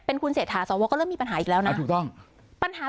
เป็นคุณเศรษฐาสวก็เริ่มมีปัญหาอีกแล้วนะถูกต้องปัญหา